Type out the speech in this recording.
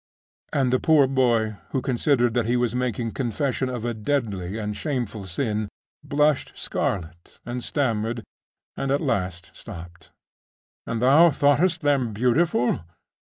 And the poor boy, who considered that he was making confession of a deadly and shameful sin, blushed scarlet, and stammered, and at last stopped. 'And thou thoughtest them beautiful?